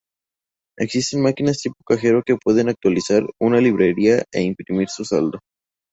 Existen máquinas tipo cajero que pueden actualizar una libreta e imprimir su saldo.